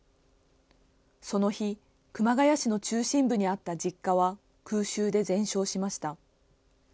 その日、熊谷市の中心部にあった実家は空襲で全焼しました。